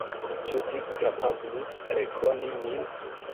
Ĉu Vi kapablus rekoni min?